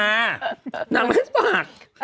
นางไม่ให้ฝาก